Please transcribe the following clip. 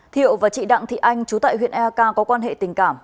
thiệu và chị đặng thị anh chú tại huyện eak có quan hệ tình cảm